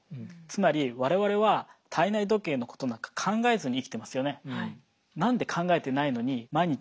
つまりわれわれは体内時計のことなんか考えずに生きてますよね。